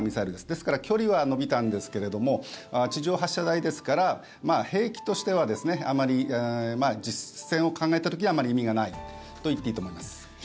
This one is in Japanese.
ですから距離は延びたんですけれども地上発射台ですから兵器としてはあまり、実戦を考えた時はあまり意味がないと言っていいと思います。